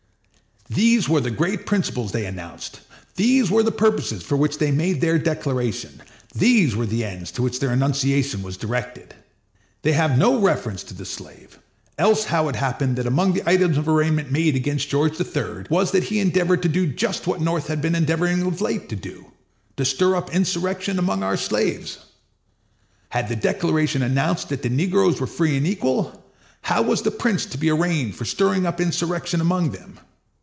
These were the great principles they announced; these were the purposes for which they made their declaration; these were the ends to which their enunciation was directed. They have no reference to the slave, else how happened it that among the items of arraignment made against George III. was that he endeavored to do just what the North had been endeavoring of late to do—to stir up insurrection among our slaves? Had the Declaration announced that the negroes were free and equal, how was the prince to be arraigned for stirring up insurrection among them?